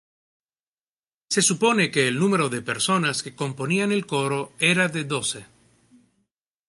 Se supone que el número de personas que componían el coro era de doce.